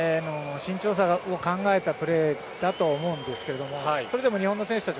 身長差を考えたプレーだと思うんですがそれでも日本の選手たち